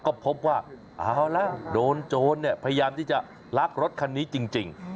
ก็พบว่าเอาละโดนโจรพยายามที่จะลักรถคันนี้จริง